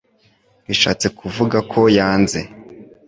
bishatse kuvuga ko yanze